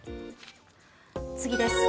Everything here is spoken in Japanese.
次です。